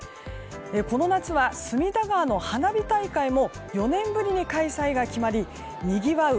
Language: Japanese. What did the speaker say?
この夏は、隅田川の花火大会も４年ぶりに開催が決まりにぎわう